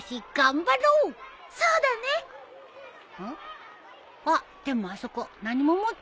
あっでもあそこ何も持ってないのがいる。